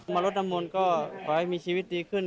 รดน้ำมนต์ก็ขอให้มีชีวิตดีขึ้น